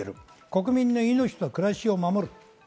国民の命と暮らしを守る。